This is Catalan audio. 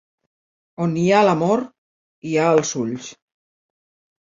On hi ha l'amor, hi ha els ulls.